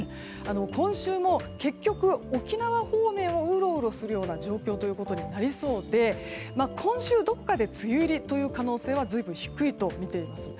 今週も結局、沖縄方面をうろうろする状況ということになりそうで今週、どこかで梅雨入りという可能性は随分低いとみています。